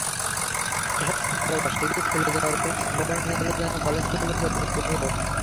এসব ছাত্রাবাস শিগগির খুলে দেওয়ার কোনো সম্ভাবনা নেই বলে জানায় কলেজগুলোর কর্তৃপক্ষ।